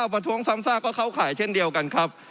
ประท้วงซ้ำซากก็เข้าข่ายเช่นเดียวกันครับ